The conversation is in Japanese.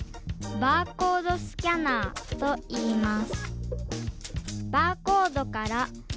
バーコードスキャナーいきます！